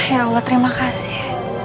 ya allah terima kasih